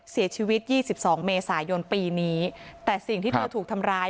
เสียชีวิต๒๒เมษายนปีนี้แต่สิ่งที่เธอถูกทำร้าย